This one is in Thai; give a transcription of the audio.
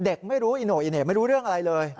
ไม่รู้อีโน่อีเหน่ไม่รู้เรื่องอะไรเลย